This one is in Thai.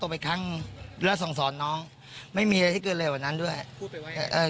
พูดไปไว้